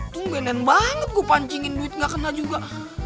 tungguinan banget gue pancingin duit gak kena juga